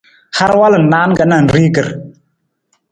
Har walu na naan ka nanrigir.